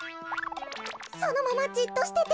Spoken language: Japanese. そのままじっとしてて。